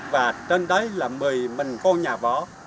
và trên đấy là mười mình có nhà võ